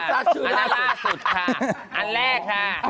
ไม่ใช่ค่ะ